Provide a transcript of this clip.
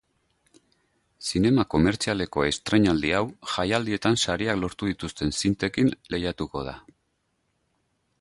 Zinema komertzialeko estreinaldi hau jaialdietan sariak lortu dituzten zintekin lehiatuko da.